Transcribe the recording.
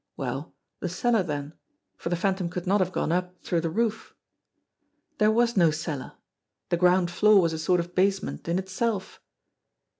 Well, the cellar then, for the Phantom could not have gone up through the roof ! There was no cellar ! The ground floor was a sort of basement in itself!